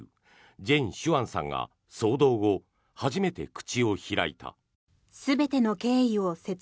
ジェン・シュアンさんが騒動後、初めて口を開いた。